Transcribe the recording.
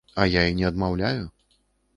А я і не адмаўляю.